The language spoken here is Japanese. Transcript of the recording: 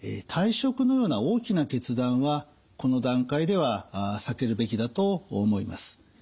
退職のような大きな決断はこの段階では避けるべきだと思います。